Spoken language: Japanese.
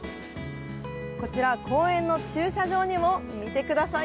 こちら、公園の駐車場にも見てください